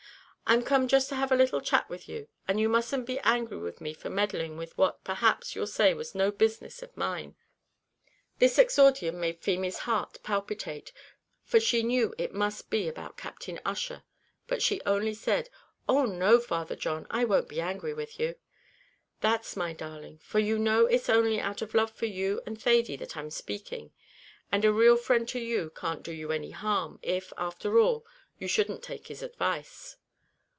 "I'm come just to have a little chat with you, and you musn't be angry with me for meddling with what, perhaps, you'll say was no business of mine." This exordium made Feemy's heart palpitate, for she knew it must be about Captain Ussher, but she only said, "Oh! no, Father John, I won't be angry with you." "That's my darling, for you know it's only out of love for you and Thady that I'm speaking, and a real friend to you can't do you any harm, if after all you shouldn't take his advice."